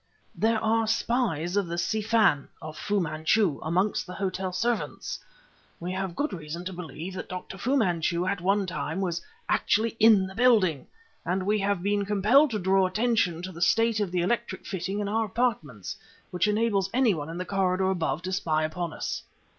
"There are spies of the Si Fan of Fu Manchu amongst the hotel servants! We have good reason to believe that Dr. Fu Manchu at one time was actually in the building, and we have been compelled to draw attention to the state of the electric fitting in our apartments, which enables any one in the corridor above to spy upon us."